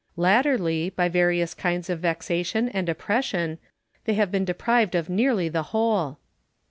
Latterly, by various kinds of vexation and oppression, they have been deprived of nearly the whole.